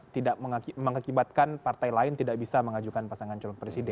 tidak mengakibatkan partai lain tidak bisa mengajukan pasangan calon presiden